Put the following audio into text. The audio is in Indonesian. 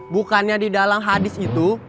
bukannya di dalam hadis itu